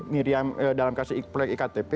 miriam dalam kasus proyek iktp